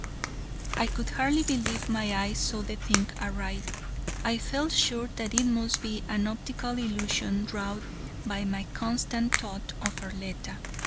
I could hardly believe my eyes saw the thing aright. I felt sure that it must be an optical illusion wrought by my constant thought of Arletta.